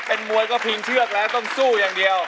เป็นมวยก็พิงเชือกแล้วต้องสู้อย่างเดียว